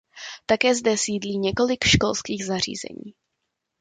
Také zde sídlí několik školských zařízení.